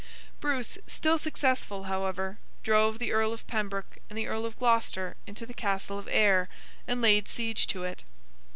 Bruce, still successful, however, drove the Earl of Pembroke and the Earl of Gloucester into the Castle of Ayr and laid siege to it.